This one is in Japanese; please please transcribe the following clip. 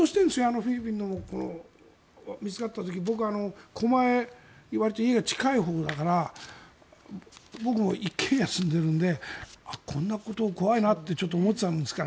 フィリピンの、見つかった時僕、狛江わりと家が近いほうだから僕も一軒家に住んでいるのでこんなこと、怖いなって思っていましたから。